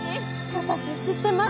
私知ってます